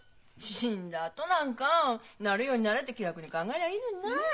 死んだあとなんか「なるようになれ」って気楽に考えりゃいいのにない。